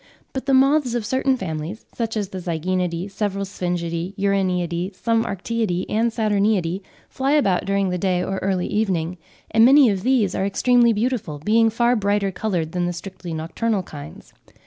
But the moths of certain families, such as the Zygaenidae, several Sphingidae, Uraniidae, some Arctiidae and Saturniidae, fly about during the day or early evening, and many of these are extremely beautiful, being far brighter coloured than the strictly nocturnal kinds.